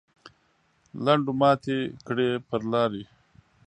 لنډو ماتې کړې پر لارې.